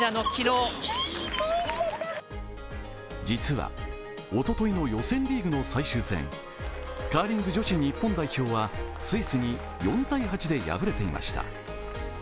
実はおとといの予選リーグの最終戦、カーリング女子日本代表はスイスに４−８で敗れていました。